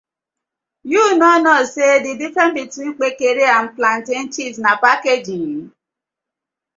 Yu no kno say di difference between Kpekere and plantain chips na packaging.